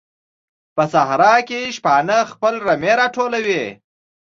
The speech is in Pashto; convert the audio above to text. په صحراء کې شپانه خپل رمې راټولوي.